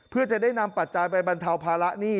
เพื่อจะได้นำปัจจัยไปบรรเทาภาระหนี้